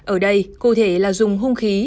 ở đây cụ thể là dùng hung khí